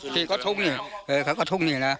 ที่ก็ทุ่งนี่เออเขาก็ทุ่งนี่นะ